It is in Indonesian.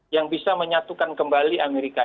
yang bisa menyatukan kembali amerika